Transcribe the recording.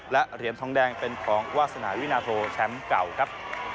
และเหรียญทองแดงเป็นของวาสนาวินาโทแชมป์เก่าครับ